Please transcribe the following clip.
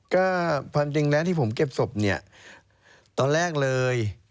ก็ความจริงแล้วที่ผมเก็บศพเนี่ยตอนแรกเลย